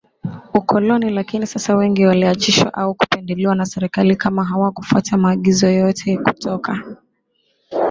ukoloni lakini sasa wengi waliachishwa au kupinduliwa na serikali kama hawakufuata maagizo yote kutoka